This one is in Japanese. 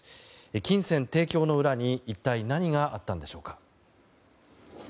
金銭提供の裏に一体何があったんでしょうか。